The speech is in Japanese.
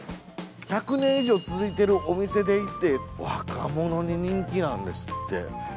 １００年以上続いてるお店でいて若者に人気なんですって。